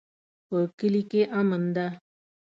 په کلي کې امن ده